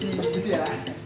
isi gitu ya